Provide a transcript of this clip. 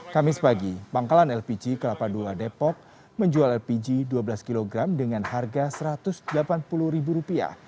kamis pagi pangkalan lpg kelapa dua depok menjual lpg dua belas kg dengan harga rp satu ratus delapan puluh